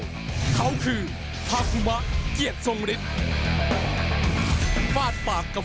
งวยคู่อีก๒นะครับ